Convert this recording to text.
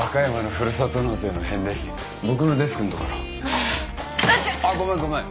あっごめんごめん。